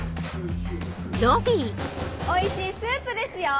おいしいスープですよ！